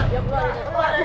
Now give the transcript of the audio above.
keluar dari sini